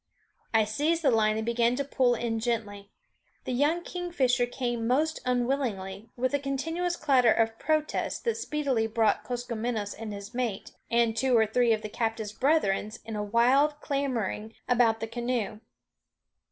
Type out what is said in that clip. I seized the line and began to pull in gently. The young kingfisher came most unwillingly, with a continuous clatter of protest that speedily brought Koskomenos and his mate, and two or three of the captive's brethren, in a wild, clamoring about the canoe.